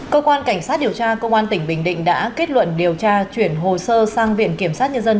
cơ quan cảnh sát điều tra công an tỉnh bình định đã kết luận điều tra chuyển hồ sơ sang viện kiểm sát nhân dân